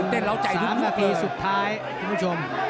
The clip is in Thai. สามนาทีสุดท้ายคุณผู้ชม